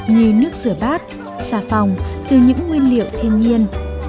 như nước rửa bát xà phòng từ những nguyên liệu thiên nhiên